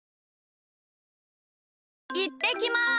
いってきます！